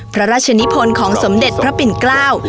พระราชนิพลของสมเด็จพระปิ่นเกล้า